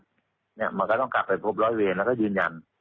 เพราะว่าตอนแรกมีการพูดถึงนิติกรคือฝ่ายกฎหมาย